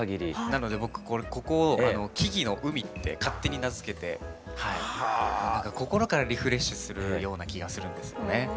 なので僕ここを木々の海って勝手に名付けて心からリフレッシュするような気がするんですよね。